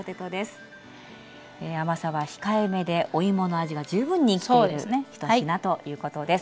甘さは控えめでおいもの味が十分に生きている１品ということです。